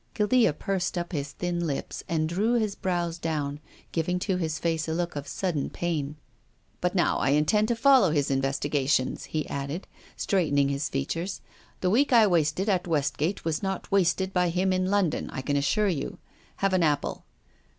Guildca pursed up his thin lips and drew his brows down, giving to his face a look of sudden pain. " But now I intend to follow his investiga tions," he added, straightening his features. " The week I wasted at Westgate was not wasted by him in London, I can assure ytni. Have an apple."